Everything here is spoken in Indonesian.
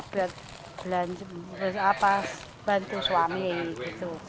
buat belanja apa bantu suami gitu